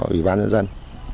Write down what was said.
ủy ban dân dân